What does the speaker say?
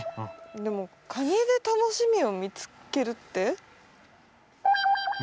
でもカニでたのしみをみつけるって？